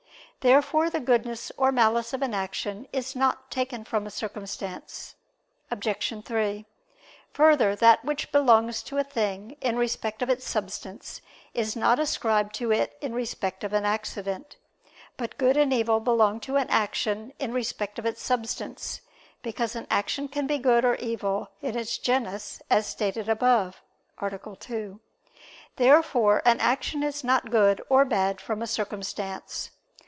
Therefore the goodness or malice of an action is not taken from a circumstance. Obj. 3: Further, that which belongs to a thing, in respect of its substance, is not ascribed to it in respect of an accident. But good and evil belong to an action in respect of its substance; because an action can be good or evil in its genus as stated above (A. 2). Therefore an action is not good or bad from a circumstance.